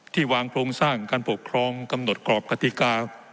วางโครงสร้างการปกครองกำหนดกรอบกติกา